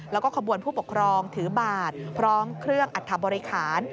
แล้วก็ขบวนผู้ปกครองถือบาทพร้อมเครื่องอัธบริคาร